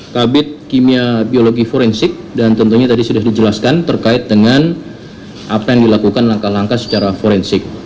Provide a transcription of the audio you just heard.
kabit kimia biologi forensik dan tentunya tadi sudah dijelaskan terkait dengan apa yang dilakukan langkah langkah secara forensik